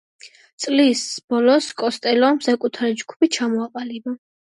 წლის ბოლოს კოსტელომ საკუთარი ჯგუფი ჩამოაყალიბა.